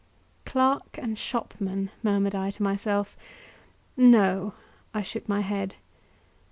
"Clerk and shopman!" murmured I to myself. "No." I shook my head.